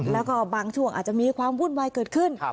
แล้วก็บางช่วงอาจจะมีความวุ่นวายเกิดขึ้น